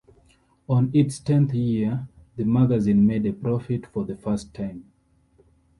On its tenth year, the magazine made a profit for the first time.